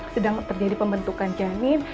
sedang terjadi pembentukan janin